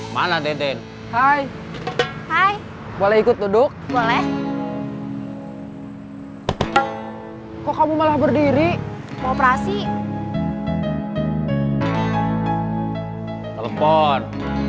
mana deden hai hai boleh ikut duduk boleh kok kamu malah berdiri operasi telepon